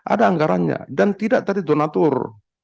ada anggarannya dan tidak tadi donatur